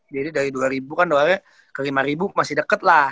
jadi dari dua ribu kan doangnya ke lima ribu masih deket lah